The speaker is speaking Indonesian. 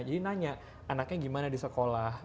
jadi nanya anaknya gimana di sekolah